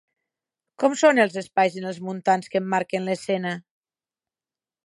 Com són els espais en els muntants que emmarquen l'escena?